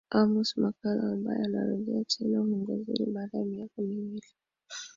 Amos Makalla ambaye anarejea tena uongozini baada ya miaka mingi